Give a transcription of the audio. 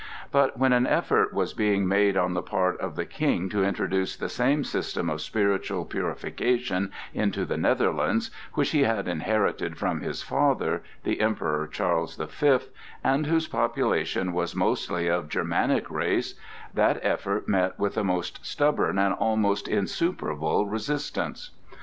But when an effort was being made on the part of the King to introduce the same system of spiritual purification into the Netherlands, which he had inherited from his father, the Emperor Charles the Fifth, and whose population was mostly of Germanic race, that effort met with a most stubborn and almost insuperable resistance.